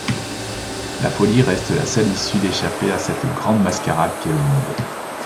La folie reste la seule issue d'échapper à cette grande mascarade qu'est le monde.